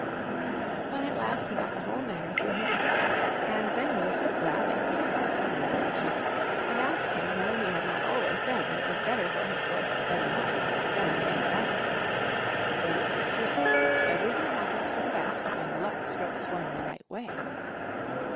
But at last he got the whole matter through his head, and then he was so glad that he kissed his son on both cheeks, and asked him whether he had not always said that it was better for his boy to study books than to make fagots. For this is true : everything happens for the best when Luck strokes one the right way.